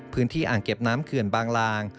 พื้นที่อ่างเก็บน้ำเขื่อนบางลาง